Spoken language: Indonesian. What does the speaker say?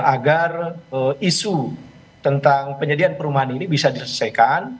agar isu tentang penyediaan perumahan ini bisa diselesaikan